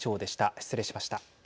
失礼しました。